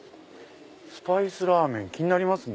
スパイスラーメン気になりますね。